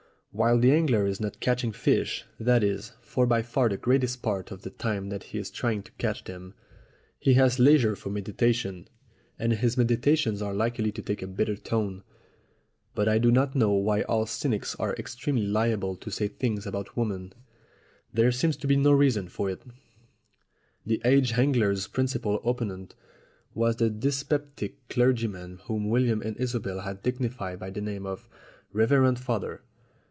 While the angler is not catching fish that is, for by far the greater part of the time that he is trying to catch them he has leisure for meditation, and his meditations are likely to take a bitter tone. But I do not know why all cynics are extremely liable to say things about women; there seems to be no reason for it. 268 STORIES WITHOUT TEARS The aged angler's principal opponent was the dyspeptic clergyman whom William and Isobel had dignified by the name of the Reverend Father.